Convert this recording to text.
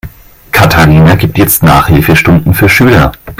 Katharina gibt jetzt Nachhilfestunden für Schüler.